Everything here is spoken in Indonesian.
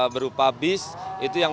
berupa bis itu yang